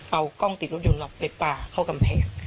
เอากล้องติดรถยนต์เราไปป่าเข้ากำแพง